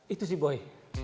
itu si boy